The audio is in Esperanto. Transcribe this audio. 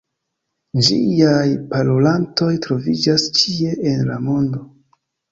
Ĝiaj parolantoj troviĝas ĉie en la mondo.